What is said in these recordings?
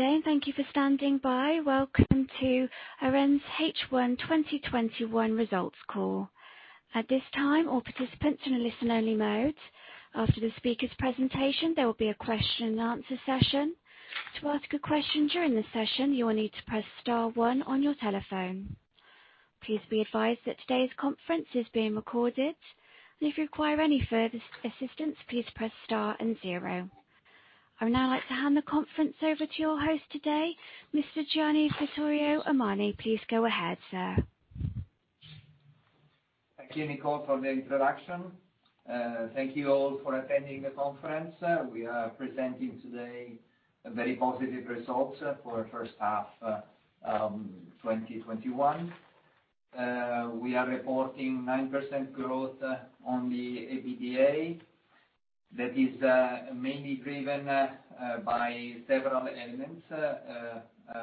Good day, and thank you for standing by. Welcome to Iren's H1 2021 results call. At this time, all participants are in a listen only mode. After the speaker's presentation, there will be a question and answer session. To ask a question during the session, you will need to press star one on your telephone. Please be advised that today's conference is being recorded. If you require any further assistance, please press star and zero. I would now like to hand the conference over to your host today, Mr. Gianni Vittorio Armani. Please go ahead, sir. Thank you, Nicole, for the introduction. Thank you all for attending the conference. We are presenting today very positive results for first half 2021. We are reporting 9% growth on the EBITDA. That is mainly driven by several elements.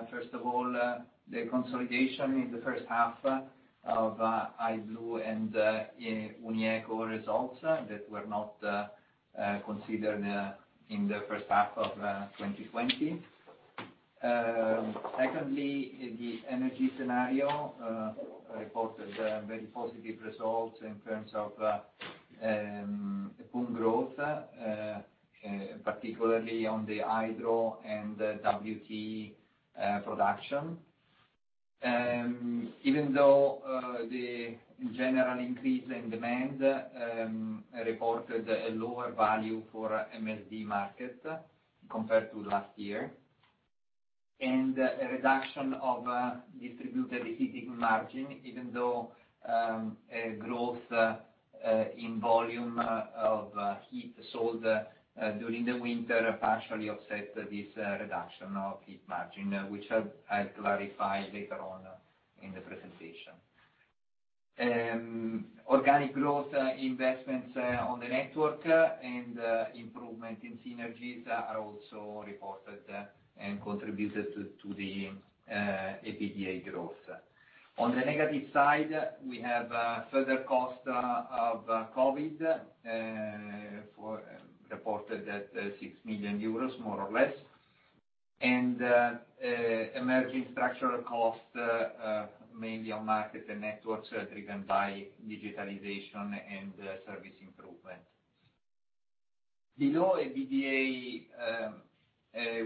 First of all, the consolidation in the first half of I.Blu and Unieco results that were not considered in the first half of 2020. Secondly, the energy scenario reported very positive results in terms of volume growth, particularly on the hydro and WtE production. Even though the general increase in demand reported a lower value for MSD market compared to last year, and a reduction of distributed heating margin, even though a growth in volume of heat sold during the winter partially offset this reduction of heat margin, which I'll clarify later on in the presentation. Organic growth investments on the network and improvement in synergies are also reported and contributed to the EBITDA growth. On the negative side, we have further cost of COVID, reported at 6 million euros, more or less, and emerging structural costs, mainly on market and networks driven by digitalization and service improvement. Below EBITDA,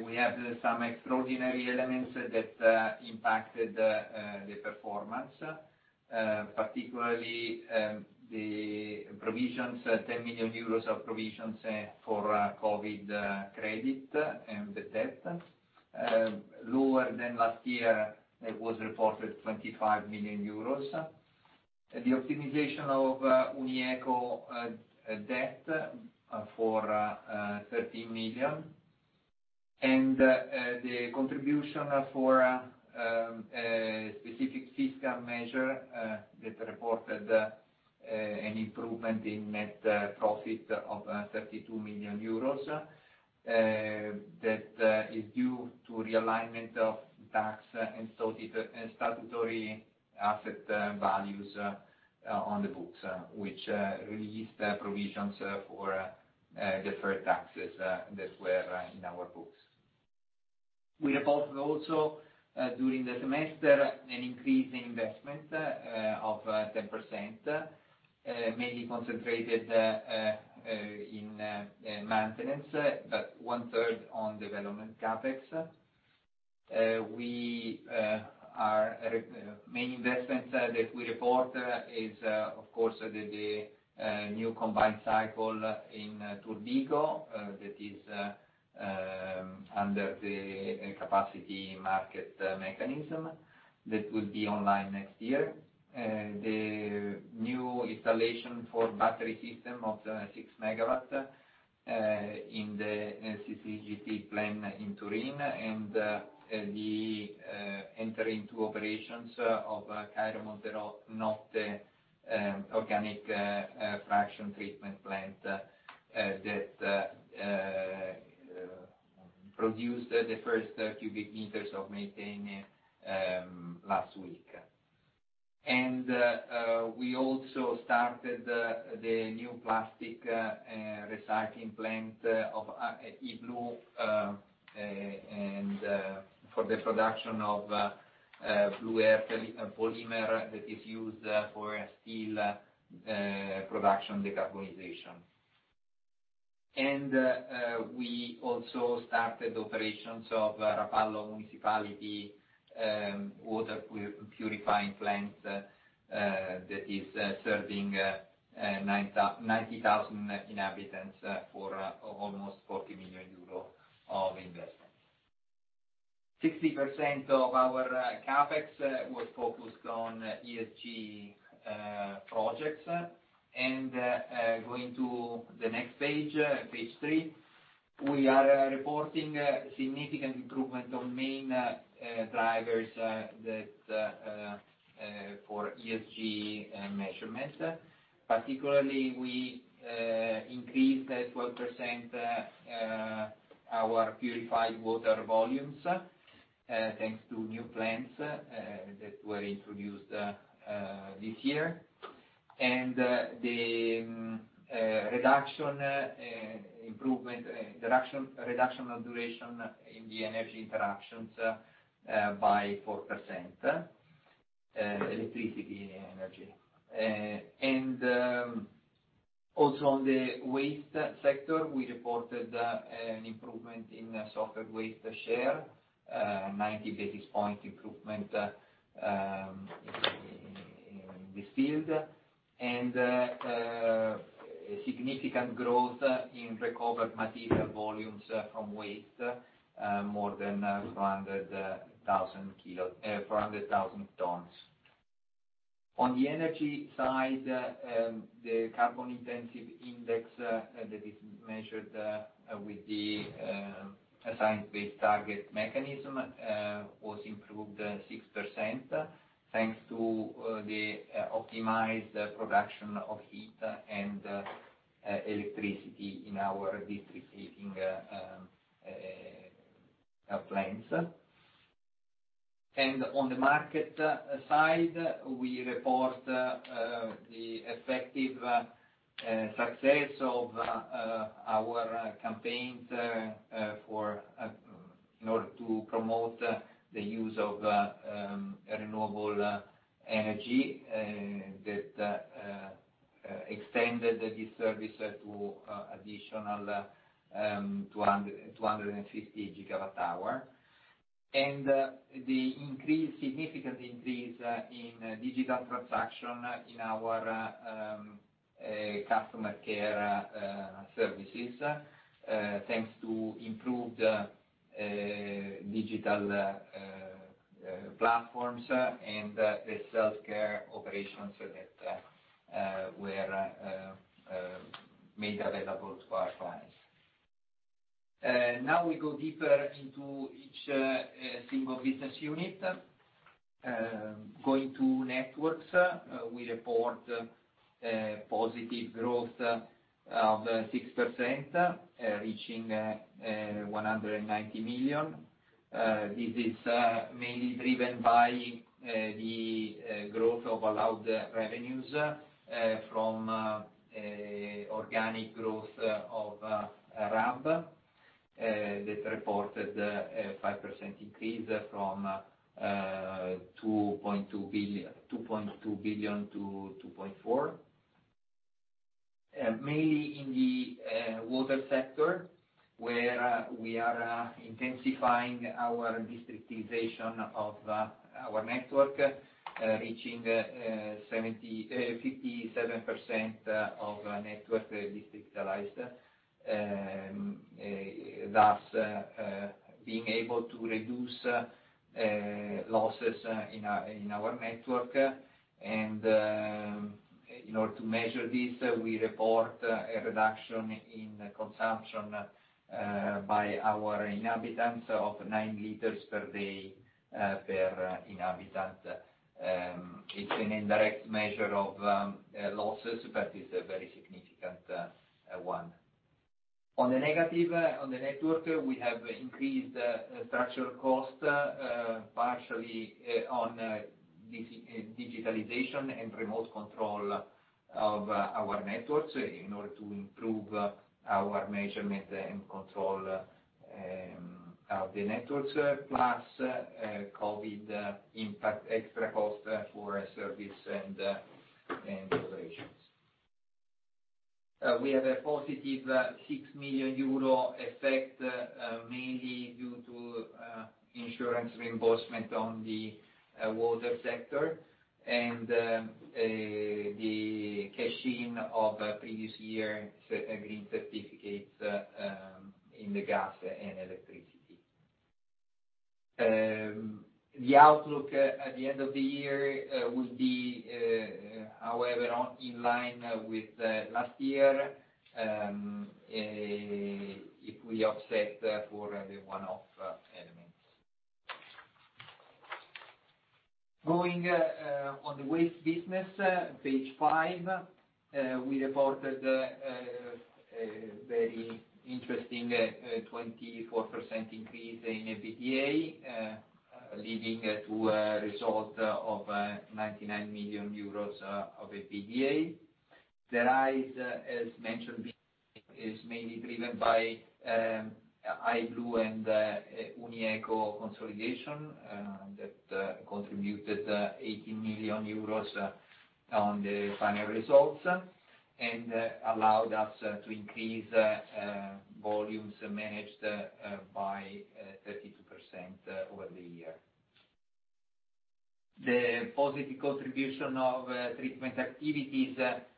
we have some extraordinary elements that impacted the performance, particularly the 10 million euros of provisions for COVID credit and the debt. Lower than last year, it was reported 25 million euros. The optimization of Unieco debt for 13 million, and the contribution for specific fiscal measure that reported an improvement in net profit of 32 million euros. That is due to realignment of tax and statutory asset values on the books, which released provisions for deferred taxes that were in our books. We reported also during the semester an increase in investment of 10%, mainly concentrated in maintenance, but one third on development CapEx. Main investments that we report is, of course, the new combined cycle in Turbigo, that is under the capacity market mechanism, that will be online next year. The new installation for battery system of 6 MW in the CCGT plant in Turin, the entering to operations of Cairo Montenotte organic fraction treatment plant that produced the first cubic meters of methane last week. We also started the new plastic recycling plant of I.Blu, for the production of Blu Polymer that is used for steel production decarbonization. We also started operations of Rapallo municipality water purifying plant that is serving 90,000 inhabitants for almost 40 million euro of investment. 60% of our CapEx was focused on ESG projects. Going to the next page three, we are reporting significant improvement on main drivers for ESG measurements. Particularly, we increased 12% our purified water volumes. Thanks to new plants that were introduced this year, and the reduction of duration in the energy interruptions by 4%, electricity and energy. Also, on the waste sector, we reported an improvement in CSS waste share, 90 basis point improvement in this field, and a significant growth in recovered material volumes from waste, more than 400,000 tons. On the energy side, the carbon intensive index that is measured with the science-based target mechanism, was improved 6%, thanks to the optimized production of heat and electricity in our district heating plants. On the market side, we report the effective success of our campaigns in order to promote the use of renewable energy, that extended this service to additional 250 gigawatt hour. The significant increase in digital transaction in our customer care services, thanks to improved digital platforms and the self-care operations that were made available to our clients. Now we go deeper into each single business unit. Going to networks, we report a positive growth of 6%, reaching 190 million. This is mainly driven by the growth of allowed revenues from organic growth of RAB, that reported a 5% increase from 2.2 billion-2.4 billion. Mainly in the water sector, where we are intensifying our districtization of our network, reaching 57% of network districtalized, thus being able to reduce losses in our network. In order to measure this, we report a reduction in consumption by our inhabitants of nine liters per day per inhabitant. It's an indirect measure of losses, but it's a very significant one. On the negative on the network, we have increased structural cost, partially on digitalization and remote control of our networks in order to improve our measurement and control of the networks, plus COVID impact, extra cost for service and operations. We have a positive 6 million euro effect, mainly due to insurance reimbursement on the water sector and the cash-in of previous year green certificates in the gas and electricity. The outlook at the end of the year will be, however, in line with last year, if we offset for the one-off elements. Going on the waste business, page five, we reported a very interesting 24% increase in EBITDA, leading to a result of 99 million euros of EBITDA. The rise, as mentioned, is mainly driven by I.Blu and Unieco consolidation, that contributed 18 million euros on the final results, allowed us to increase volumes managed by 32% over the year. The positive contribution of treatment activities,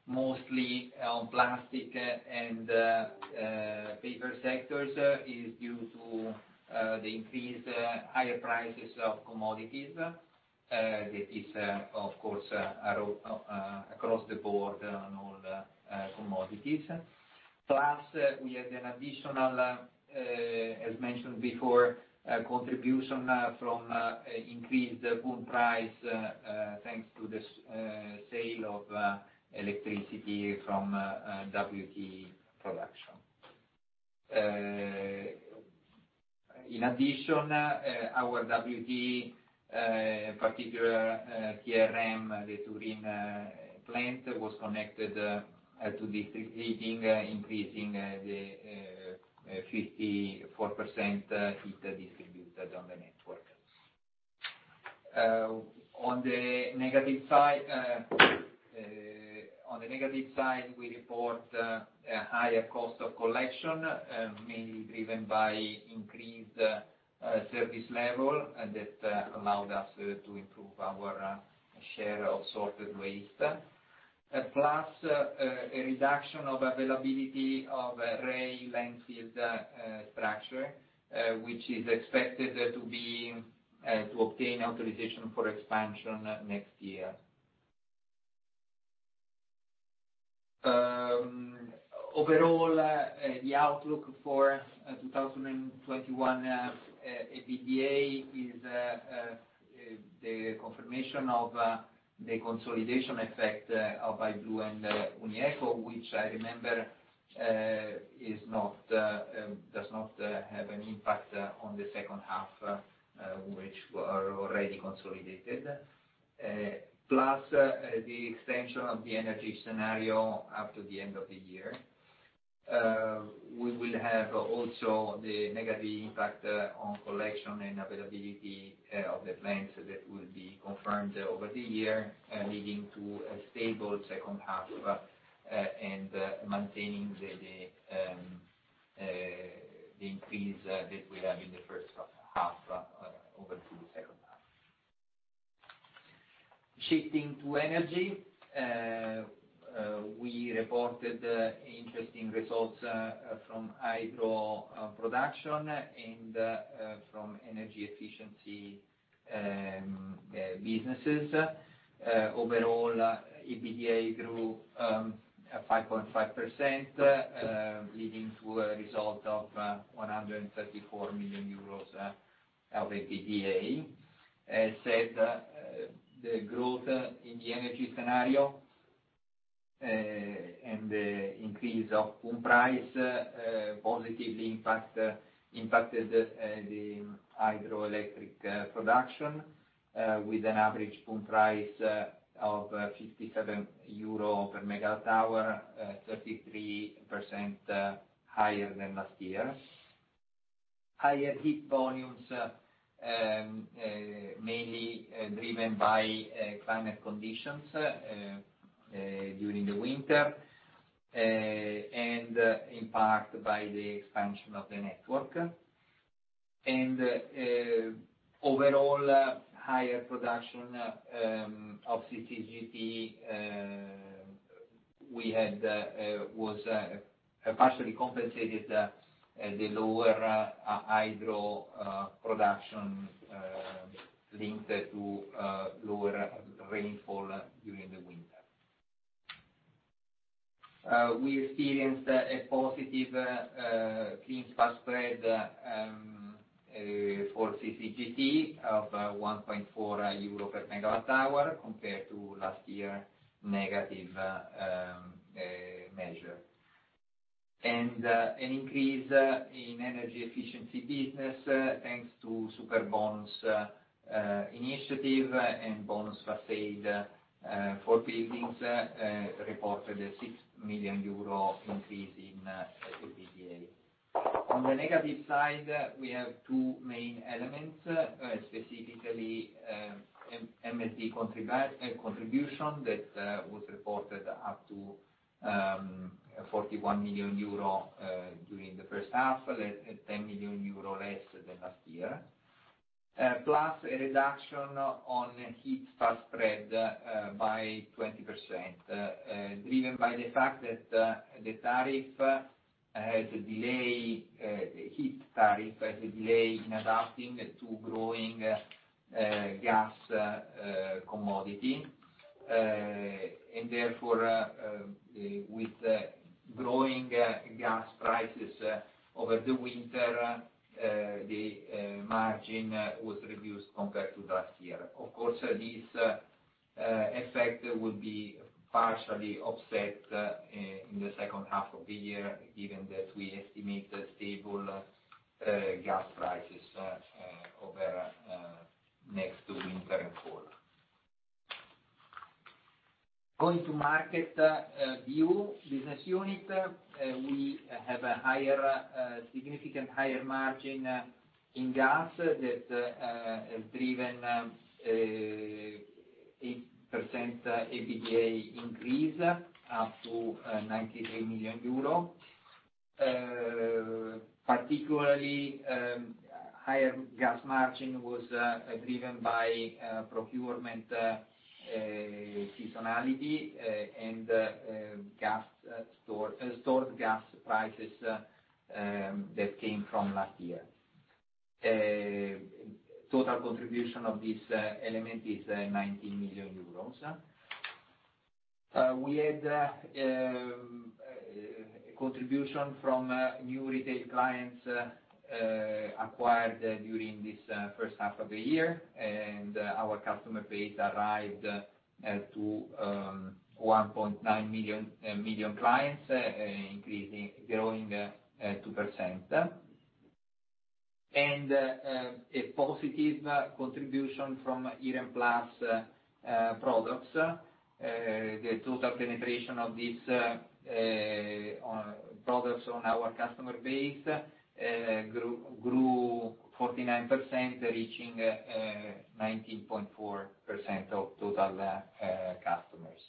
mostly on plastic and paper sectors, is due to the increased higher prices of commodities. That is, of course, across the board on all the commodities. Plus, we had an additional, as mentioned before, contribution from increased pool price, thanks to the sale of electricity from WtE production. In addition, our WtE, in particular, TRM, the Turin plant, was connected to district heating, increasing the 54% heat distributed on the network. On the negative side, we report a higher cost of collection, mainly driven by increased service level, and that allowed us to improve our share of sorted waste. Plus, a reduction of availability of Roncocesi structure, which is expected to obtain authorization for expansion next year. Overall, the outlook for 2021 EBITDA is the confirmation of the consolidation effect of I.Blu and Unieco, which I remember, does not have an impact on the second half, which were already consolidated. The extension of the energy scenario after the end of the year. We will have also the negative impact on collection and availability of the plants that will be confirmed over the year, leading to a stable second half, and maintaining the increase that we have in the first half over to the second half. Shifting to energy, we reported interesting results from hydro production and from energy efficiency businesses. Overall, EBITDA grew 5.5%, leading to a result of 134 million euros of EBITDA. As said, the growth in the energy scenario and the increase of pool price positively impacted the hydroelectric production, with an average pool price of 57 euro per megawatt hour, 33% higher than last year. Higher heat volumes, mainly driven by climate conditions during the winter, and impacted by the expansion of the network. Overall, higher production of CCGT was partially compensated the lower hydro production linked to lower rainfall during the winter. We experienced a positive clean spark spread for CCGT of 1.4 euro per megawatt hour compared to last year negative measure. An increase in energy efficiency business, thanks to Superbonus initiative and Bonus Facciate for buildings, reported a 6 million euro increase in EBITDA. On the negative side, we have two main elements, specifically, MSD contribution that was reported up to 41 million euro during the first half, at 10 million euro less than last year. A reduction on heat spark spread by 20%, driven by the fact that the heat tariff has a delay in adapting to growing gas commodity, and therefore, with growing gas prices over the winter, the margin was reduced compared to last year. Of course, this effect would be partially offset in the second half of the year, given that we estimate stable gas prices over next winter and fall. Going to Market BU, business unit, we have a significant higher margin in gas that has driven 8% EBITDA increase up to EUR 93 million. Particularly, higher gas margin was driven by procurement seasonality and stored gas prices that came from last year. Total contribution of this element is 90 million euros. We had contribution from new retail clients acquired during this first half of the year. Our customer base arrived at 1.9 million clients, growing 2%. A positive contribution from Iren Plus products. The total penetration of these products on our customer base grew 49%, reaching 19.4% of total customers.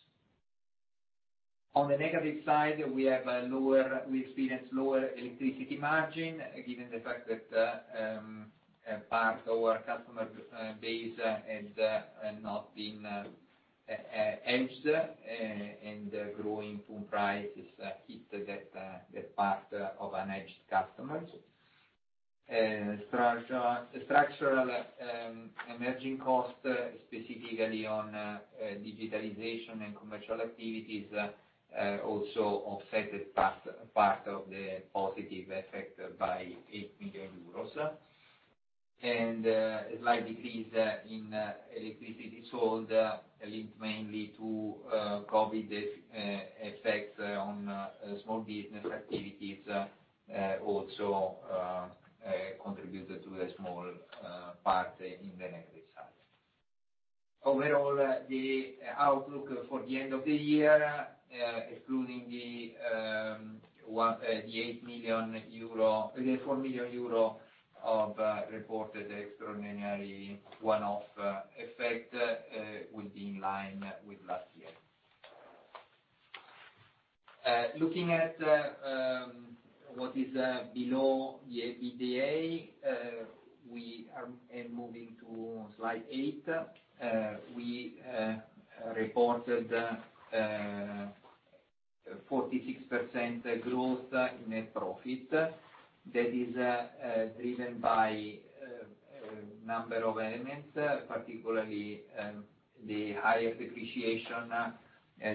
On the negative side, we experienced lower electricity margin, given the fact that part of our customer base has not been hedged, and growing pool price has hit that part of unhedged customers. Structural emerging cost, specifically on digitalization and commercial activities, also offset part of the positive effect by 8 million euros. A slight decrease in electricity sold, linked mainly to COVID effects on small business activities, also contributed to a small part in the negative side. Overall, the outlook for the end of the year, excluding the EUR 4 million of reported extraordinary one-off effect, will be in line with last year. Looking at what is below the EBITDA, moving to slide eight, we reported 46% growth in net profit. That is driven by a number of elements, particularly the higher depreciation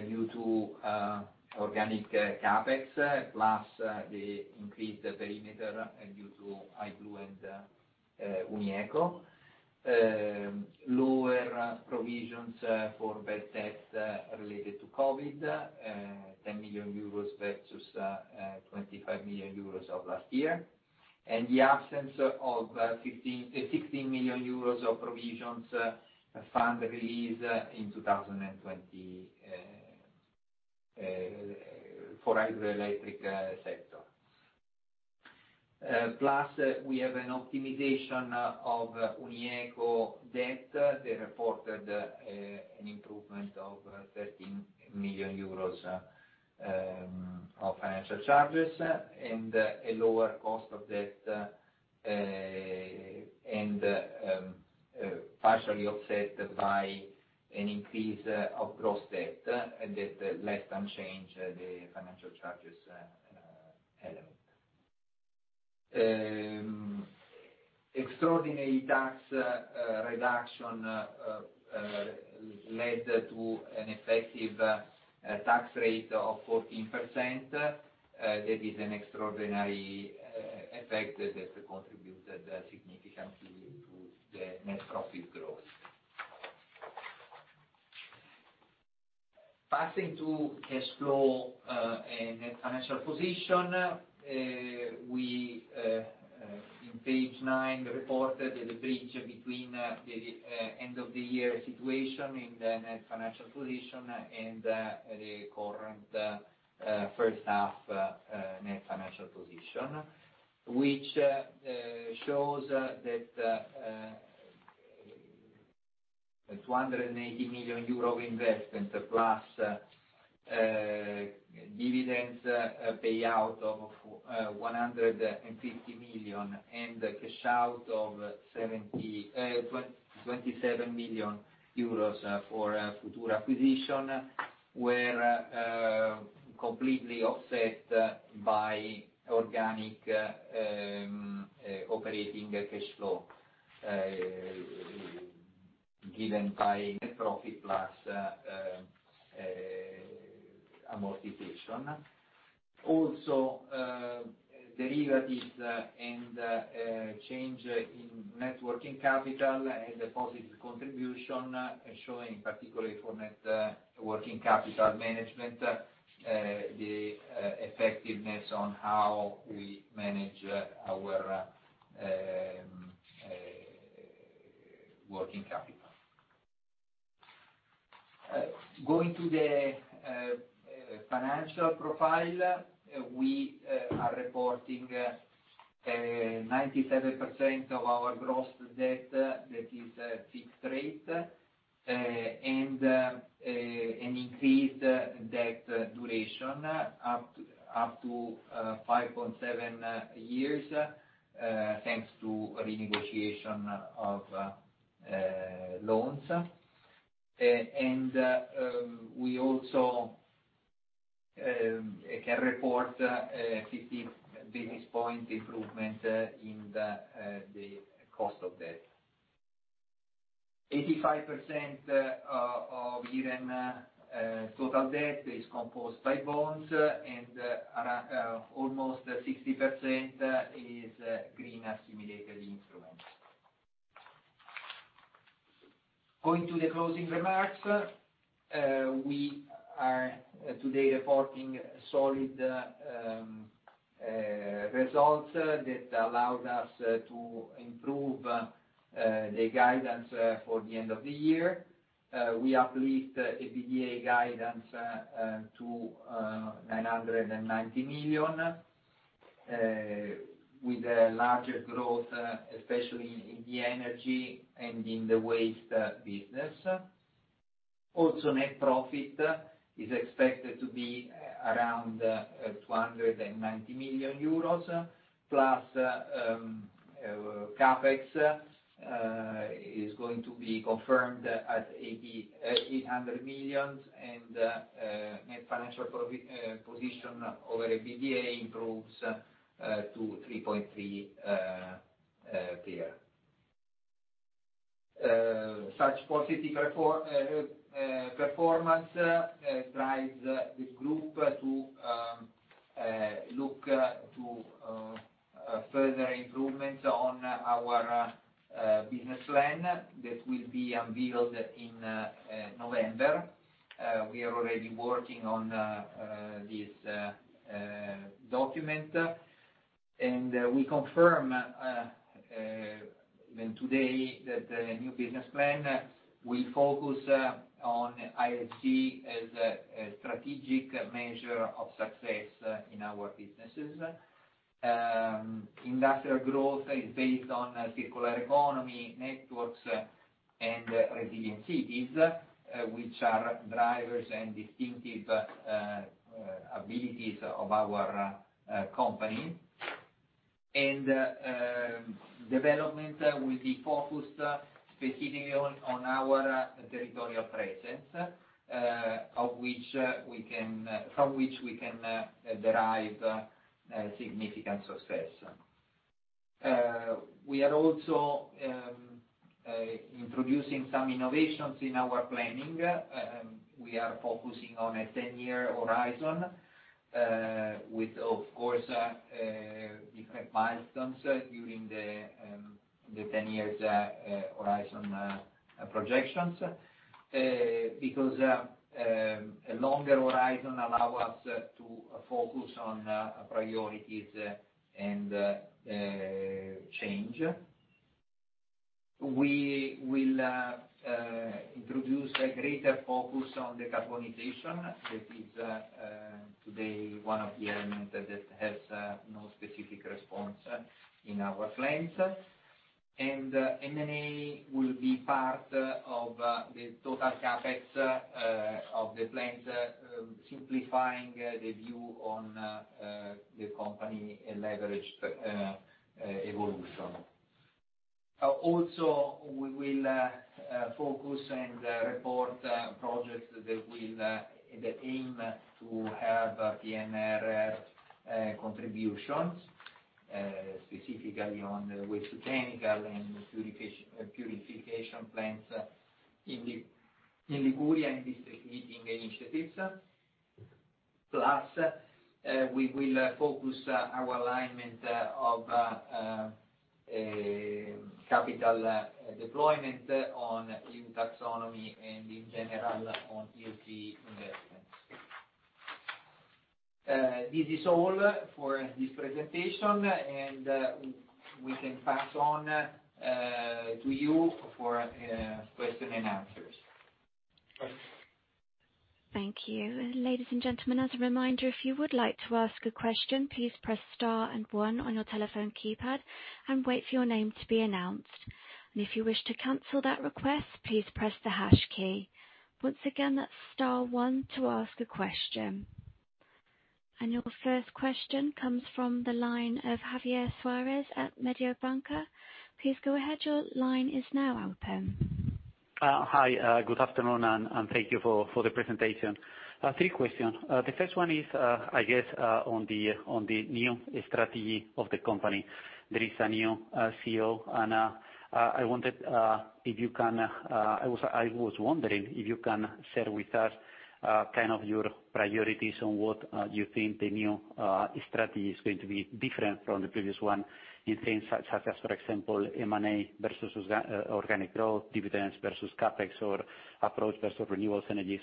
due to organic CapEx, plus the increased perimeter due to I.Blu and Unieco. Lower provisions for bad debt related to COVID, 10 million euros versus 25 million euros of last year. The absence of 16 million euros of provisions fund release in 2020 for hydroelectric sector. Plus, we have an optimization of Unieco debt. They reported an improvement of 13 million euros of financial charges, and a lower cost of debt, and partially offset by an increase of gross debt, and that left unchanged the financial charges element. Extraordinary tax reduction led to an effective tax rate of 14%. That is an extraordinary effect that contributed significantly to the net profit growth. Passing to cash flow and net financial position. In page nine, we reported the bridge between the end of the year situation in the net financial position and the current first half net financial position, which shows that the 280 million euro investment, plus dividends payout of 150 million, and the cash out of 27 million euros for future acquisition, were completely offset by organic operating cash flow, given by net profit plus amortization. Also, derivatives and change in net working capital had a positive contribution, showing particularly for net working capital management, the effectiveness on how we manage our working capital. Going to the financial profile, we are reporting 97% of our gross debt, that is fixed rate, and increased debt duration up to 5.7 years, thanks to renegotiation of loans. We also can report a 50 basis point improvement in the cost of debt. 85% of Iren total debt is composed by bonds, and almost 60% is green assimilated loans. Going to the closing remarks. We are today reporting solid results that allowed us to improve the guidance for the end of the year. We uplift EBITDA guidance to 990 million, with a larger growth, especially in the energy and in the waste business. Net profit is expected to be around 290 million euros, plus CapEx is going to be confirmed at 800 million, and net financial position over EBITDA improves to 3.3 tier. Such positive performance drives the group to look to further improvements on our business plan. That will be unveiled in November. We are already working on this document. We confirm then today that the new business plan will focus on ROIC as a strategic measure of success in our businesses. Industrial growth is based on circular economy, networks, and resilient cities, which are drivers and distinctive abilities of our company. Development will be focused specifically on our territorial presence, from which we can derive significant success. We are also introducing some innovations in our planning. We are focusing on a 10-year horizon, with, of course, different milestones during the 10 years horizon projections. Because a longer horizon allow us to focus on priorities and change. We will introduce a greater focus on decarbonization. That is today one of the elements that has no specific response in our plans. M&A will be part of the total CapEx of the plans, simplifying the view on the company leverage evolution. We will focus and report projects that aim to have PNRR contributions, specifically on the waste to chemical and purification plants in Liguria and district heating initiatives. We will focus our alignment of capital deployment on EU taxonomy and in general, on ESG investments. This is all for this presentation, and we can pass on to you for question and answers. Thank you. Ladies and gentlemen, as a reminder, if you would liek to ask a question, please press star and one on your telephone keypad and wait for your name to be announced. If you wish to cancel that request, please press the hash key. Once again, that's star one to ask a question. Your first question comes from the line of Javier Suarez at Mediobanca. Please go ahead. Your line is now open. Hi. Good afternoon, thank you for the presentation. Three questions. The first one is, I guess, on the new strategy of the company. There is a new CEO, I was wondering if you can share with us kind of your priorities on what you think the new strategy is going to be different from the previous one in things such as, for example, M&A versus organic growth, dividends versus CapEx, or approach versus renewables energy.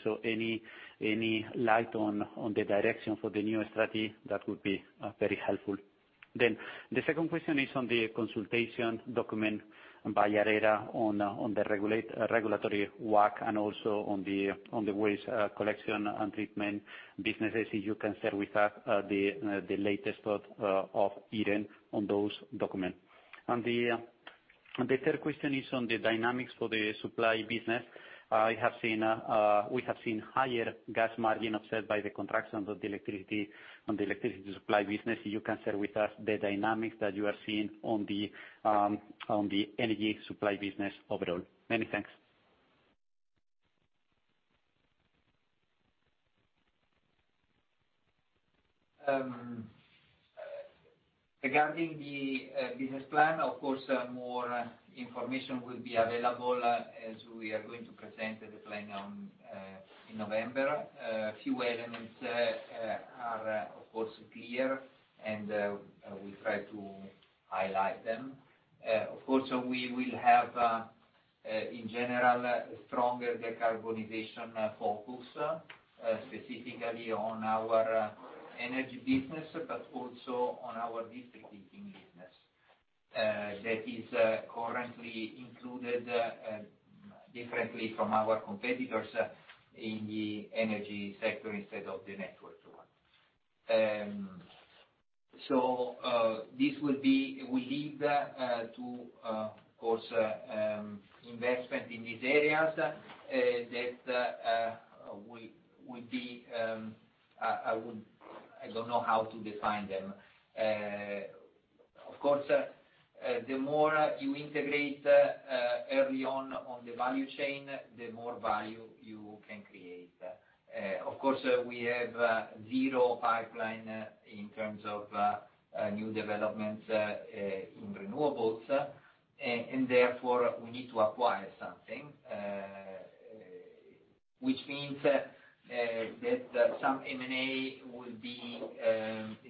Any light on the direction for the new strategy, that would be very helpful. The second question is on the consultation document by ARERA on the regulatory work and also on the waste collection and treatment businesses. If you can share with us the latest of Iren on those documents. The third question is on the dynamics for the supply business. We have seen higher gas margin offset by the contraction of the electricity supply business. If you can share with us the dynamics that you are seeing on the energy supply business overall? Many thanks. Regarding the business plan, more information will be available as we presented the plan in November. A few elements are, of course, clear, and we try to highlight them. We will have, in general, a stronger decarbonization focus, specifically on our energy business, but also on our district heating business. That is currently included differently from our competitors in the energy sector instead of the networks one. This will lead to, of course, investment in these areas that would be I don't know how to define them. The more you integrate early on the value chain, the more value you can create. We have zero pipeline in terms of new developments in renewables, and therefore, we need to acquire something, which means that some M&A will be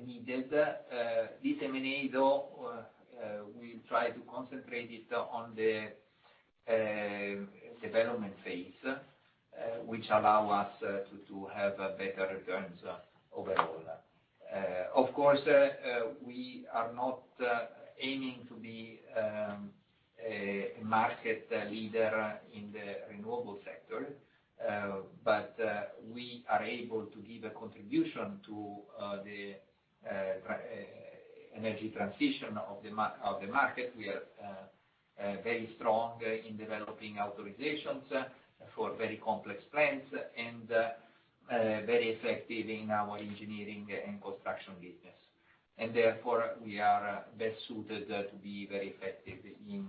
needed. This M&A, though, we try to concentrate it on the development phase, which allow us to have better returns overall. Of course, we are not aiming to be a market leader in the renewable sector, but we are able to give a contribution to the energy transition of the market. We are very strong in developing authorizations for very complex plants and very effective in our engineering and construction business. Therefore, we are best suited to be very effective in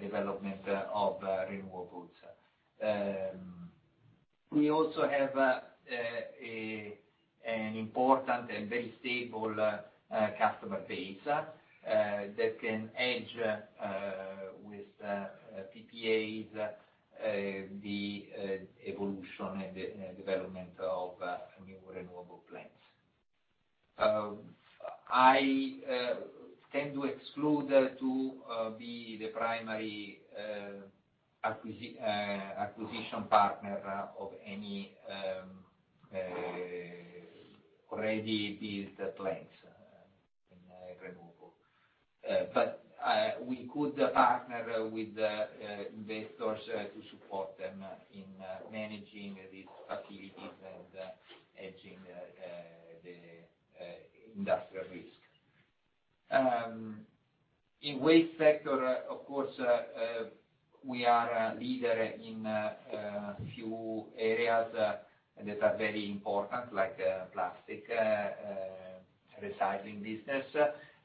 development of renewables. We also have an important and very stable customer base that can edge, with PPAs, the evolution and development of new renewable plants. I tend to exclude to be the primary acquisition partner of any already built plants in renewable. We could partner with investors to support them in managing these activities and hedging the industrial risk. In waste sector, of course, we are a leader in a few areas that are very important, like plastic recycling business,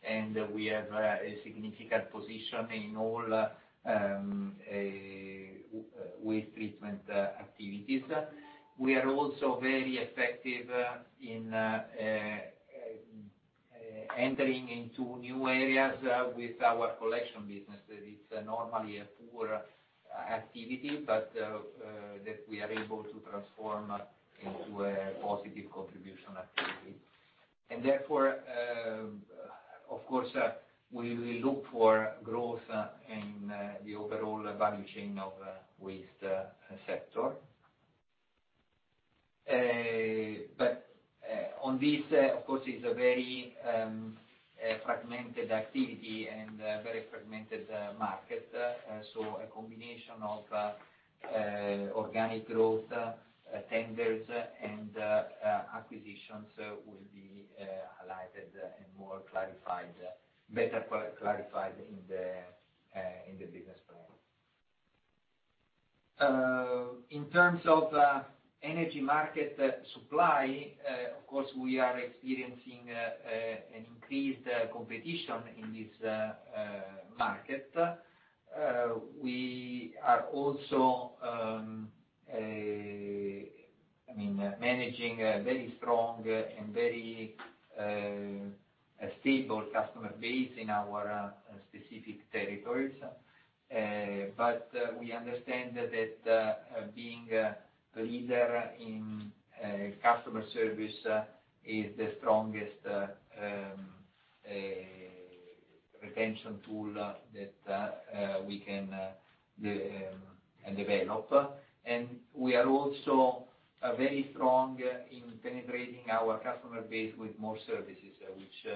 and we have a significant position in all waste treatment activities. We are also very effective in entering into new areas with our collection business. It's normally a poor activity, but that we are able to transform into a positive contribution activity. Therefore, of course, we will look for growth in the overall value chain of waste sector. On this, of course, it's a very fragmented activity and a very fragmented market. A combination of organic growth, tenders, and acquisitions will be highlighted and more clarified, better clarified in the business plan. In terms of energy market supply, of course, we are experiencing an increased competition in this market. We are also managing a very strong and very stable customer base in our specific territories. We understand that being a leader in customer service is the strongest retention tool that we can develop. We are also very strong in penetrating our customer base with more services, which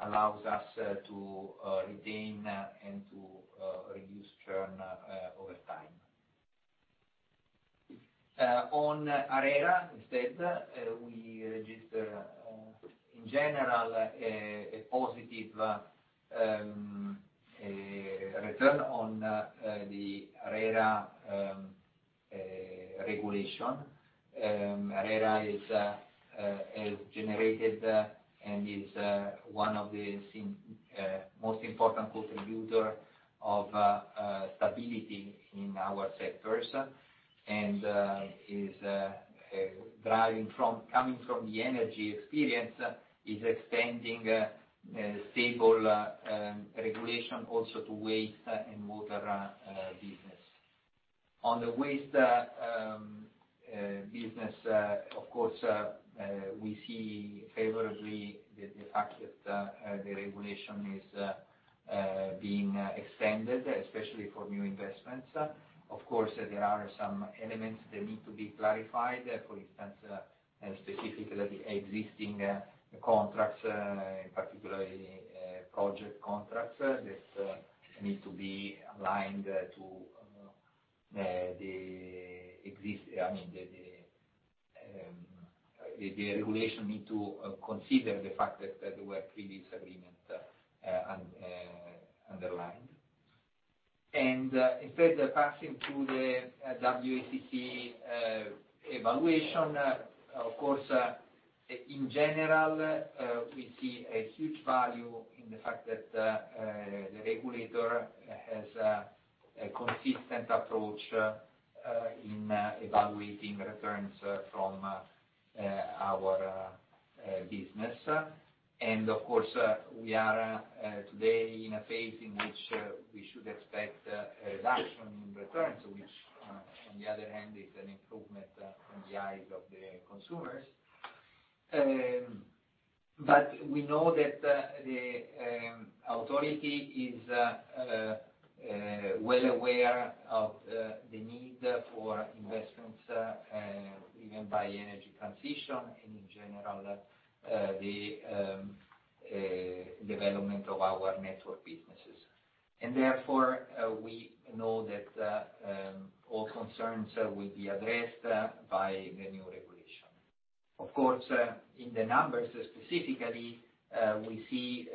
allows us to retain and to reduce churn over time. ARERA, instead, we register, in general, a positive return on the ARERA regulation. ARERA has generated and is one of the most important contributor of stability in our sectors and is driving from, coming from the energy experience, is extending stable regulation also to waste and water business. On the waste business, of course, we see favorably the fact that the regulation is being extended, especially for new investments. Of course, there are some elements that need to be clarified. For instance, specifically existing contracts, particularly project contracts, that need to be aligned to the existing The regulation need to consider the fact that there were previous agreements underlined. Instead, passing to the WACC evaluation, of course, in general, we see a huge value in the fact that the regulator has a consistent approach in evaluating returns from our business. Of course, we are today in a phase in which we should expect a reduction in returns, which, on the other hand, is an improvement in the eyes of the consumers. We know that the authority is well aware of the need for investments, driven by energy transition, and in general, the development of our network businesses. Therefore, we know that all concerns will be addressed by the new regulation. In the numbers specifically, we see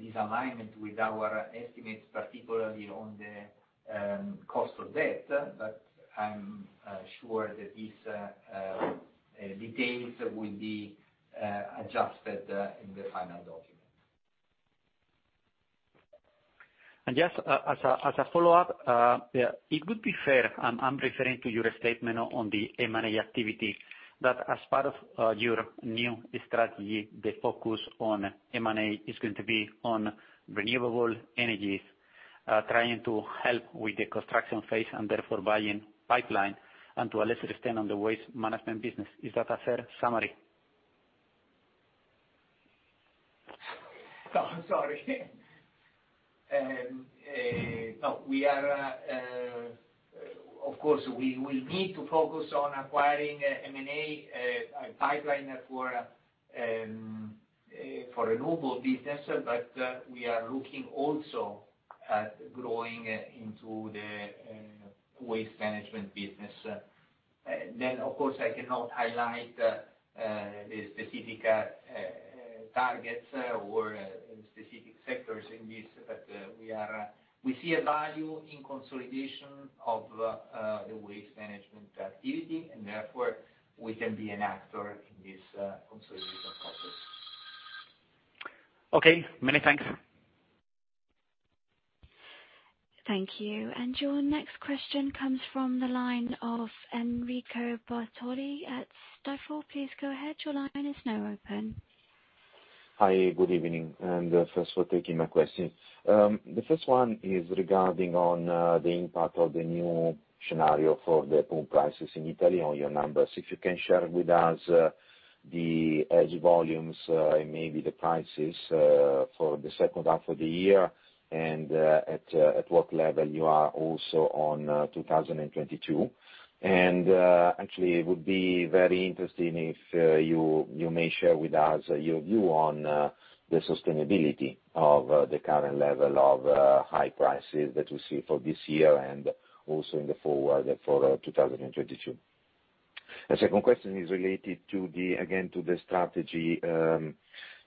disalignment with our estimates, particularly on the cost of debt. I'm sure that these details will be adjusted in the final document. Just as a follow-up, it would be fair, I'm referring to your statement on the M&A activity, that as part of your new strategy, the focus on M&A is going to be on renewable energies, trying to help with the construction phase, and therefore buying pipeline, and to a lesser extent, on the waste management business. Is that a fair summary? No, sorry. No. Of course, we will need to focus on acquiring M&A pipeline for renewable business, but we are looking also at growing into the waste management business. Of course, I cannot highlight the specific targets or specific sectors in this, but we see a value in consolidation of the waste management activity, and therefore, we can be an actor in this consolidation process. Okay. Many thanks. Thank you. Your next question comes from the line of Enrico Bartoli at Stifel. Please go ahead. Your line is now open. Hi, good evening, thanks for taking my question. The first one is regarding the impact of the new scenario for the oil prices in Italy on your numbers. If you can share with us the hedged volumes and maybe the prices for the second half of the year, and at what level you are also on 2022. Actually, it would be very interesting if you may share with us your view on the sustainability of the current level of high prices that you see for this year and also in the forward for 2022. A second question is related, again, to the strategy.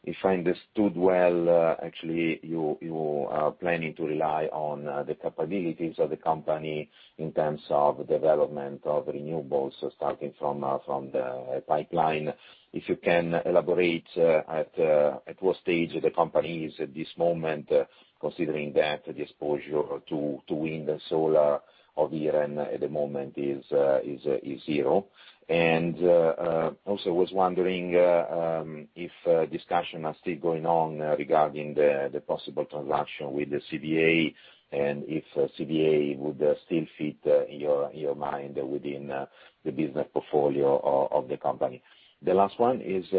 If I understood well, actually, you are planning to rely on the capabilities of the company in terms of development of renewables, starting from the pipeline. If you can elaborate at what stage the company is at this moment, considering that the exposure to wind and solar of Iren at the moment is zero. Also was wondering if discussion are still going on regarding the possible transaction with the CVA and if CVA would still fit in your mind within the business portfolio of the company. The last one is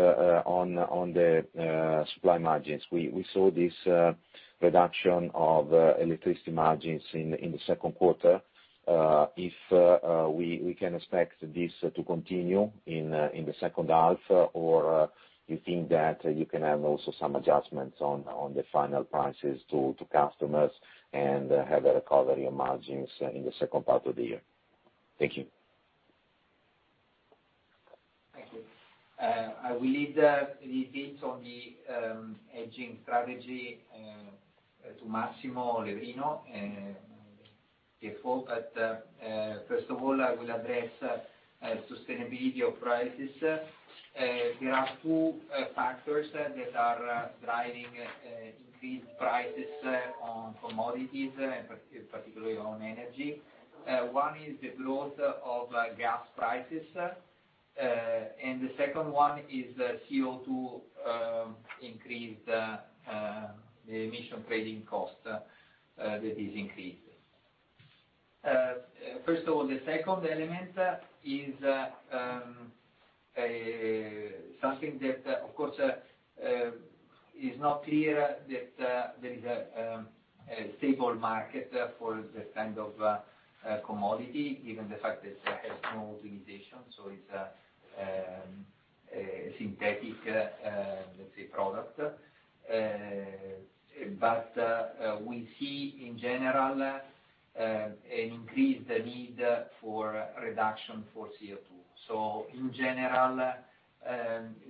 on the supply margins. We saw this reduction of electricity margins in the second quarter. If we can expect this to continue in the second half, or you think that you can have also some adjustments on the final prices to customers and have a recovery of margins in the second part of the year. Thank you. Thank you. I will leave the bit on the hedging strategy to Massimo Levrino. First of all, I will address sustainability of prices. There are two factors that are driving increased prices on commodities, and particularly on energy. One is the growth of gas prices, and the second one is CO2 increase, the emission trading cost that is increasing. First of all, the second element is something that, of course, is not clear that there is a stable market for that kind of commodity, given the fact that it has no utilization. It's a synthetic, let's say, product. We see, in general, an increased need for reduction for CO2. In general,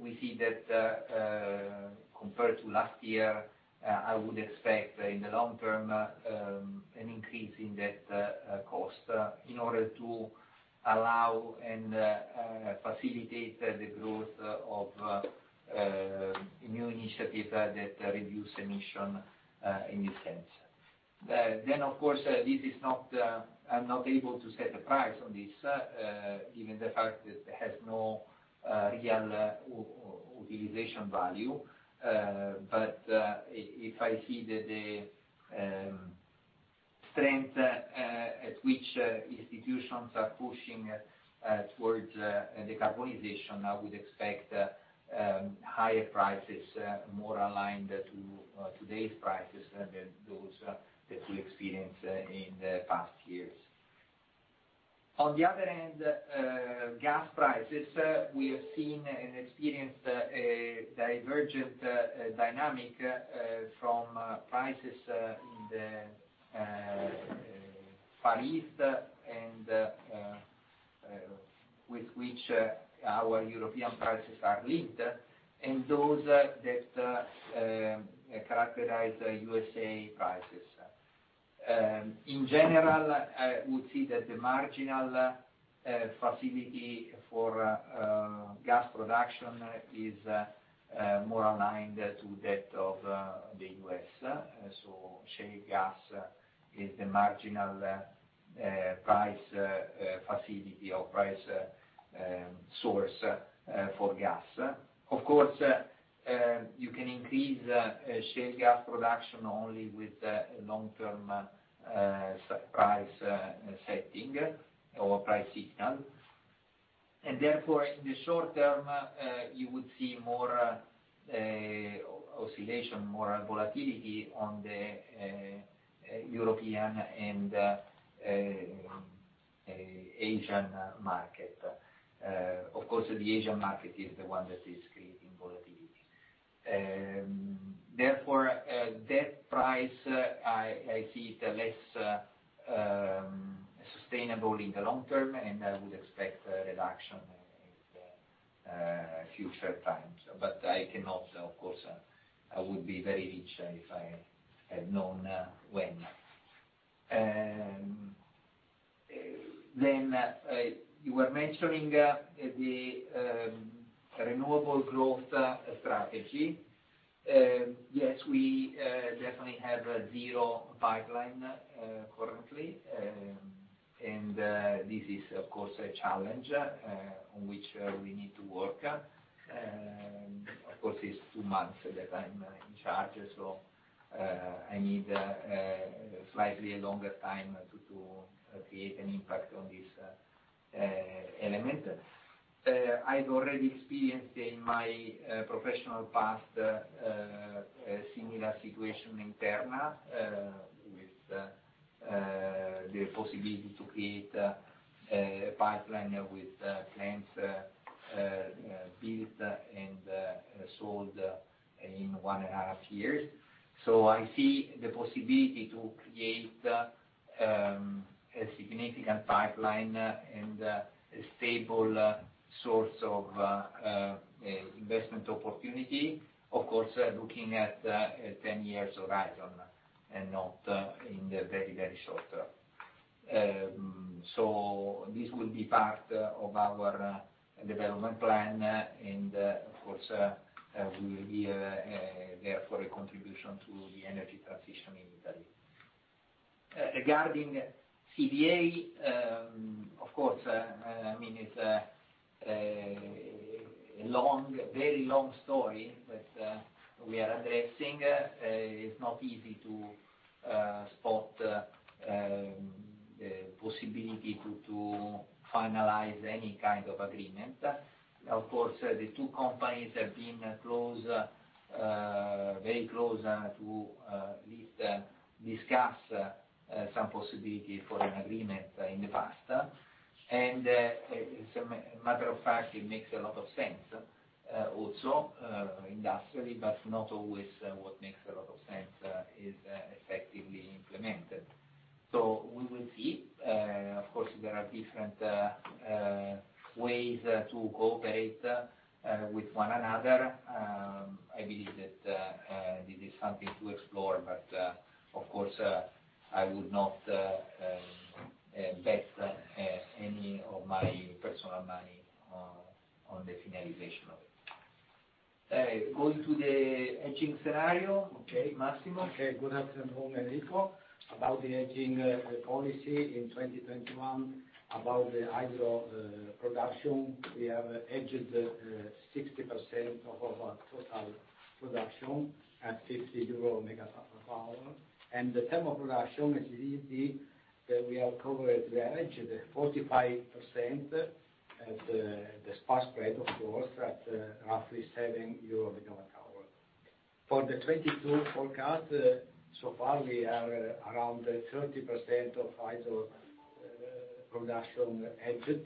we see that compared to last year, I would expect in the long term, an increase in that cost in order to allow and facilitate the growth of new initiatives that reduce emission in this sense. Of course, I'm not able to set a price on this, given the fact that it has no real utilization value. If I see the strength at which institutions are pushing towards decarbonization, I would expect higher prices more aligned to today's prices than those that we experienced in the past years. On the other hand, gas prices, we have seen and experienced a divergent dynamic from prices in the Far East, and with which our European prices are linked, and those that characterize USA prices. In general, I would say that the marginal facility for gas production is more aligned to that of the U.S. Shale gas is the marginal price facility or price source for gas. Of course, you can increase shale gas production only with a long-term price setting or price signal. Therefore, in the short term, you would see more oscillation, more volatility on the European and Asian market. Of course, the Asian market is the one that is creating volatility. Therefore, that price, I see it less sustainable in the long term, and I would expect a reduction in future times. I cannot, of course, I would be very rich if I had known when. You were mentioning the renewable growth strategy. Yes, we definitely have a zero pipeline currently. This is, of course, a challenge on which we need to work. Of course, it's two months that I'm in charge, so I need a slightly longer time to create an impact on this element. I've already experienced in my professional past, a similar situation in Terna, with the possibility to create a pipeline with plants built and sold in one and a half years. I see the possibility to create a significant pipeline and a stable source of investment opportunity. Of course, looking at 10-year horizon and not in the very short term. This will be part of our development plan and, of course, we will be there for a contribution to the energy transition in Italy. Regarding CVA, of course, it's a very long story that we are addressing. It's not easy to spot the possibility to finalize any kind of agreement. Of course, the two companies have been very close to at least discuss some possibility for an agreement in the past. As a matter of fact, it makes a lot of sense also industrially, but not always what makes a lot of sense is effectively implemented. We will see. Of course, there are different ways to cooperate with one another. I believe that this is something to explore, of course, I would not bet any of my personal money on the finalization of it. Going to the hedging scenario, okay, Massimo? Okay, good afternoon, Enrico. About the hedging policy in 2021, about the hydro production, we have hedged 60% of our total production at 50 euro/MWh. The thermal production is indeed, that we have covered, we have hedged 45% at the spot spread, of course, at roughly 7 euro/MWh. For the 2022 forecast, so far, we are around 30% of hydro production hedged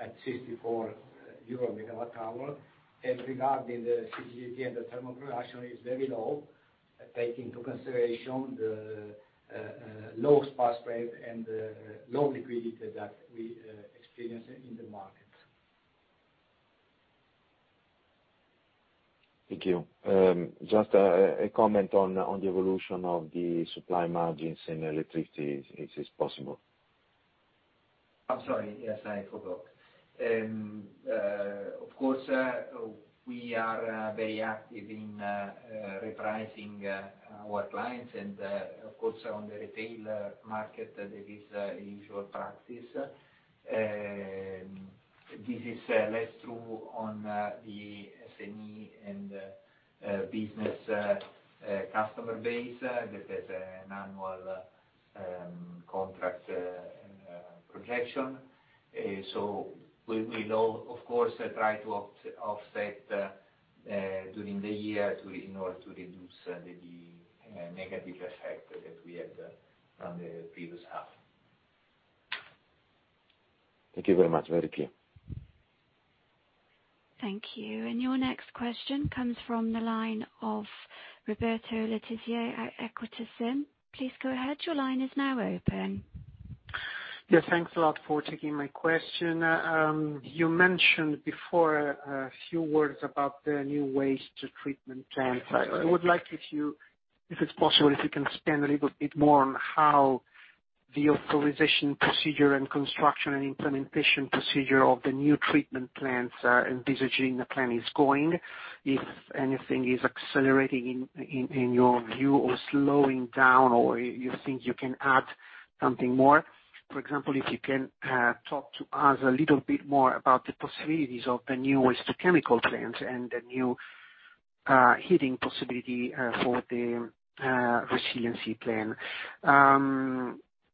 at 64 euro/MWh. Regarding the CCGT and the thermal production is very low, take into consideration the low spot spread and the low liquidity that we experience in the market. Thank you. Just a comment on the evolution of the supply margins in electricity, if it's possible. I'm sorry. Yes, I forgot. Of course, we are very active in repricing our clients and, of course, on the retail market, that is a usual practice. This is less true on the SME and business customer base, that has an annual contract projection. We will, of course, try to offset during the year in order to reduce the negative effect that we had from the previous half. Thank you very much. Very clear. Thank you. Your next question comes from the line of Roberto Letizia at Equita SIM. Please go ahead. Your line is now open. Thanks a lot for taking my question. You mentioned before a few words about the new waste treatment plant. That's right. I would like if you, if it's possible, if you can expand a little bit more on how the authorization procedure and construction and implementation procedure of the new treatment plants, envisaging the plan, is going. If anything is accelerating in your view or slowing down, or you think you can add something more. For example, if you can talk to us a little bit more about the possibilities of the new waste to chemical plants and the new heating possibility for the resiliency plan.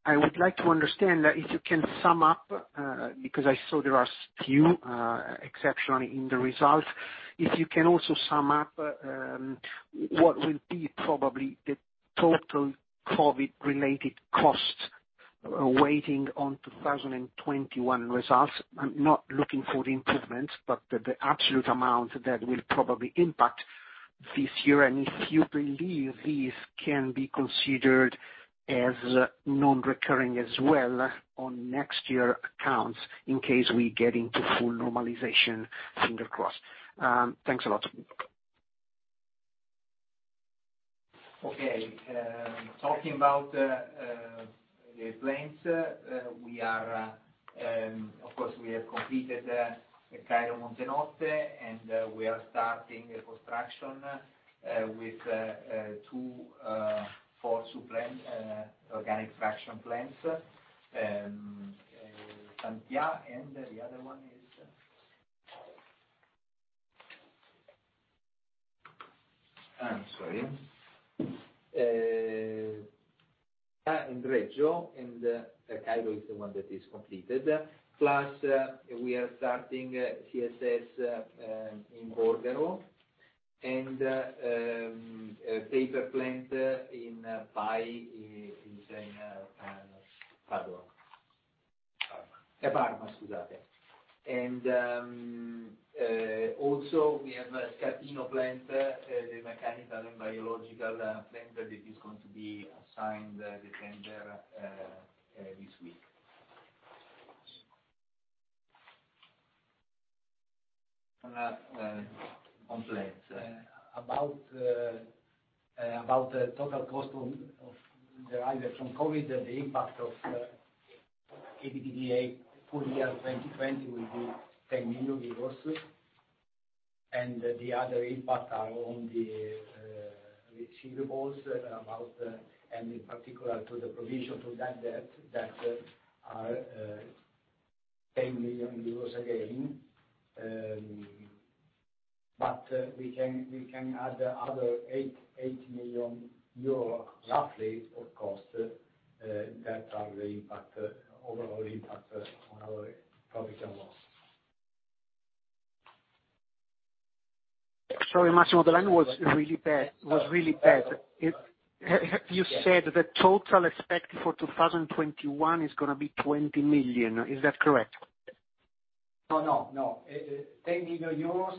I would like to understand, if you can sum up, because I saw there are few exceptions in the results, if you can also sum up what will be probably the total COVID related cost waiting on 2021 results. I'm not looking for the improvements, but the absolute amount that will probably impact this year. If you believe this can be considered as non-recurring as well on next year accounts, in case we get into full normalization, finger crossed. Thanks a lot. Okay. Talking about the plants, of course, we have completed Cairo Montenotte, and we are starting a construction with two FORSU organic fraction plants. Santhià, and the other one is I'm sorry. In Reggio, and Cairo is the one that is completed. Plus, we are starting CSS in Borgaro and a paper plant in Piacenza, Parma. Also, we have Scarpino plant, the mechanical and biological plant that is going to be assigned the tender this week. On that complex. About the total cost derived from COVID, the impact of EBITDA full year 2020 will be 10 million euros. The other impact are on the receivables, and in particular, to the provision to that debt, that are 10 million euros again. We can add other 8 million euro, roughly, of cost that are the overall impact on our profit and loss. Sorry, Massimo, the line was really bad. You said the total expected for 2021 is going to be 20 million. Is that correct? 10 million euros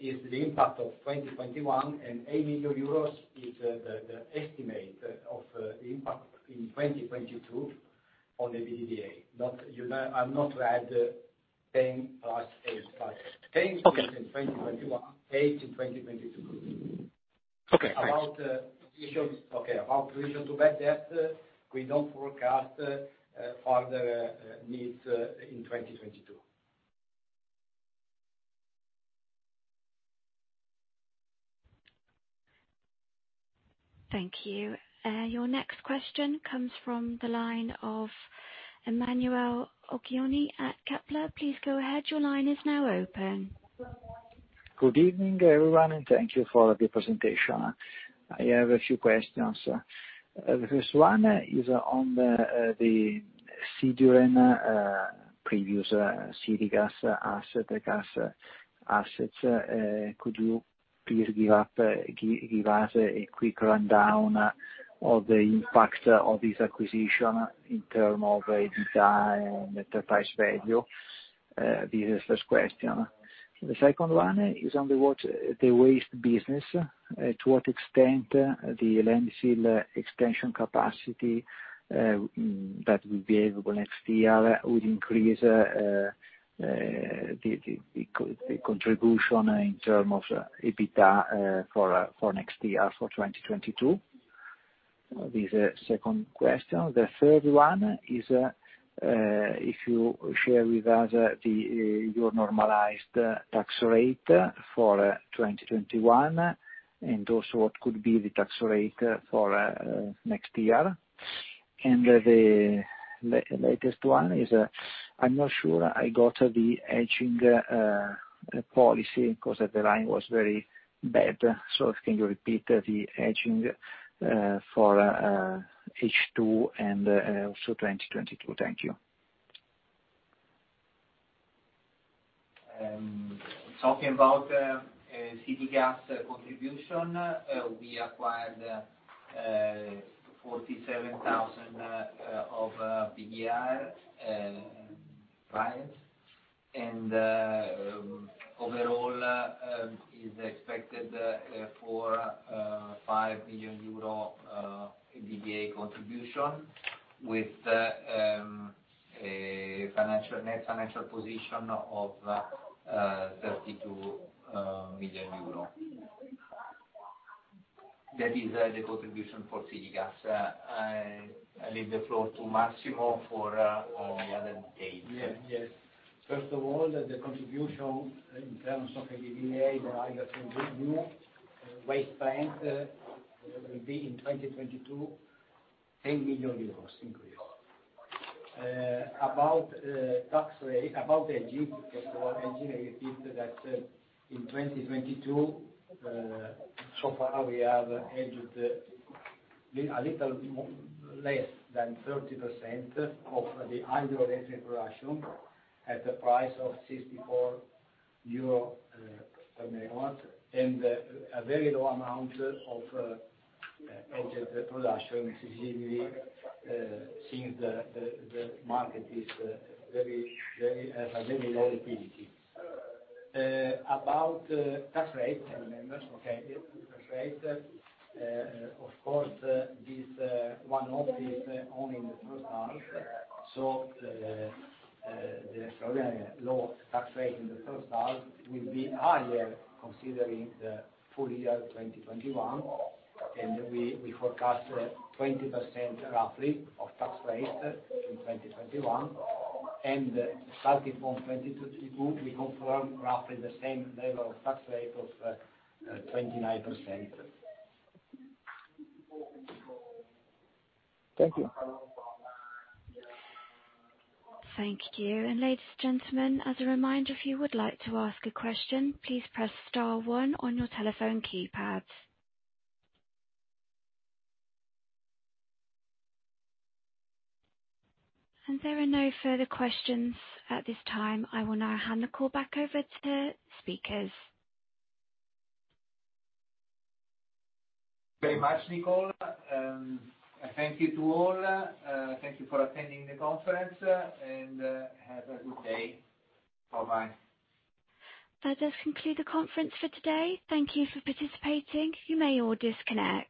is the impact of 2021, and 8 million euros is the estimate of the impact in 2022 on EBITDA. I'm not to add 10 plus 8- Okay. -is in 2021, 8 in 2022. Okay, thanks. About provision to bad debt, we don't forecast further needs in 2022. Thank you. Your next question comes from the line of Emanuele Oggioni at Kepler. Please go ahead. Your line is now open. Good evening, everyone, and thank you for the presentation. I have a few questions. The first one is on the Sidiren previous Sidigas assets. Could you please give us a quick rundown of the impact of this acquisition in terms of EBITDA and enterprise value? This is first question. The second one is on the waste business. To what extent the landfill extension capacity that will be available next year will increase the contribution in terms of EBITDA for next year, for 2022? This is second question. The third one is, if you share with us your normalized tax rate for 2021 and also what could be the tax rate for next year. The latest one is, I'm not sure I got the hedging policy because the line was very bad. Can you repeat the hedging for H2 and also 2022? Thank you. Talking about Sidigas contribution, we acquired EUR 47,000 of EBITDA, right? overall, is expected four, EUR 5 billion EBITDA contribution with a net financial position of 32 million euro. That is the contribution for Sidigas. I leave the floor to Massimo Garrone for the other data. Yes. First of all, the contribution in terms of EBITDA, the higher waste plant will be in 2022, 10 million euros increase. About hedging, I repeat that in 2022, so far we have hedged a little less than 30% of the hydroelectric production at the price of 64 euro per megawatt, and a very low amount of hedged production, specifically, since the market has a very low liquidity. About tax rate, I remember. Tax rate, of course, this one-off is only in the first half, so the extraordinary low tax rate in the first half will be higher considering the full year 2021. We forecast 20% roughly of tax rate in 2021, and starting from 2022, we confirm roughly the same level of tax rate of 29%. Thank you. Thank you. Ladies and gentlemen, as a reminder, if you would like to ask a question, please press star one on your telephone keypad. There are no further questions at this time. I will now hand the call back over to speakers. Very much, Nicole. Thank you to all. Thank you for attending the conference, and have a good day. Bye-bye. That does conclude the conference for today. Thank you for participating. You may all disconnect.